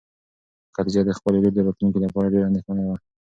خدیجه د خپلې لور د راتلونکي لپاره ډېره اندېښمنه وه.